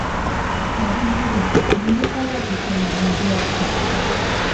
Ә һин үҙең ниндәй файҙа килтерҙең йәмғиәткә?